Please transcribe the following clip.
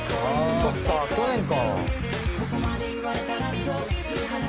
「そっか去年か」